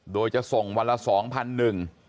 โดยจะส่งวันละสองพันหนึ่ง